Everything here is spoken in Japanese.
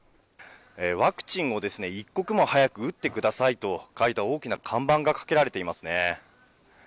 ワクチンを一刻も早く打ってくださいと書いた大きな看板がかけられていますね。